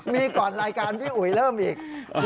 มีก่อนรายการพี่อุ๋ยเริ่มอีก